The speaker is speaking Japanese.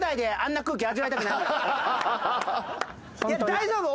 大丈夫。